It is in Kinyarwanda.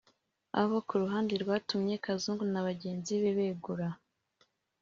Abo ku ruhande rwatumye Kazungu na bagenzi be begura